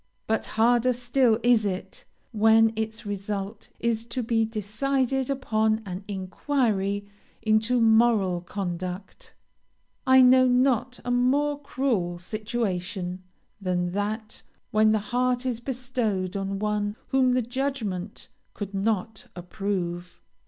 But harder still is it, when its result is to be decided upon an inquiry into moral conduct. I know not a more cruel situation than that when the heart is bestowed on one whom the judgment could not approve.